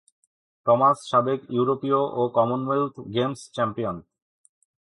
Thomas সাবেক ইউরোপীয় ও কমনওয়েলথ গেমস চ্যাম্পিয়ন।